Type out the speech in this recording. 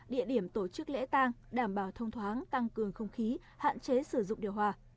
địa điểm tổ chức lễ tang đảm bảo thông thoáng tăng cường không khí hạn chế sử dụng điều hòa